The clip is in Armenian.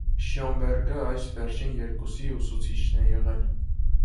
Շյոնբերգը այս վերջին երկուսի ուսուցիչն է եղել։